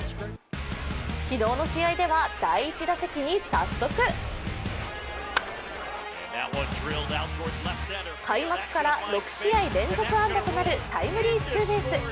昨日の試合では第１打席に早速開幕６試合連続安打となるタイムリーツーベース。